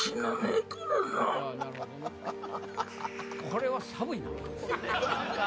これはサブいな。